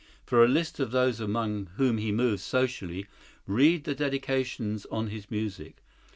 For a list of those among whom he moved socially read the dedications on his music.